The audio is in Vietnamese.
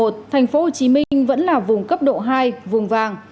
tp hcm vẫn là vùng cấp độ hai vùng vàng